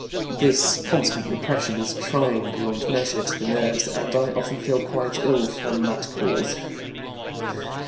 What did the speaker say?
This constant repression is trying beyond measure to the nerves, and I often feel quite ill from that cause.